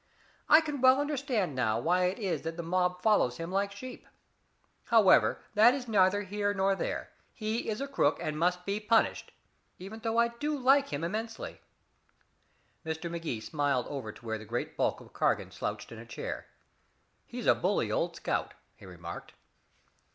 I can well understand now why it is that the mob follows him like sheep. However, that is neither here nor there. He is a crook, and must be punished even though I do like him immensely." Mr. Magee smiled over to where the great bulk of Cargan slouched in a chair. "He's a bully old scout," he remarked.